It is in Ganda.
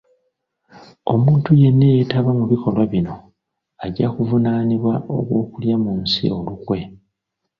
Omuntu yenna eyeetaba mu bikolwa bino, ajja kuvunaanibwa ogw'okulya mu nsi olukwe.